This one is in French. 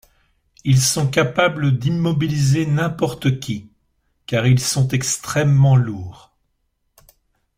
Ils sont capables d'immobiliser n'importe qui, car ils sont extrêmement lourds.